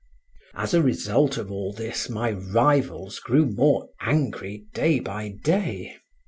As a result of all this, my rivals grew more angry day by day.